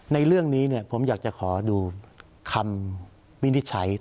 ในเรื่องนี้ผมอยากจะขอดูคำวินิจฉัย